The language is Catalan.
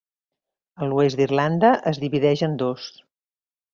A l'oest d'Irlanda es divideix en dos.